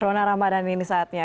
corona ramadan ini saatnya